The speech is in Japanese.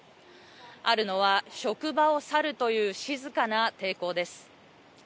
あるのは、職場を去るという静かな抵抗です。